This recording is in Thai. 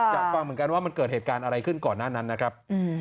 อยากฟังเหมือนกันว่ามันเกิดเหตุการณ์อะไรขึ้นก่อนหน้านั้นนะครับ